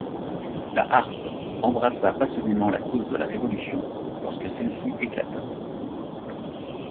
La Harpe embrassa passionnément la cause de la Révolution lorsque celle-ci éclata.